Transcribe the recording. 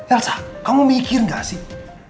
elsa kamu mikir gak sih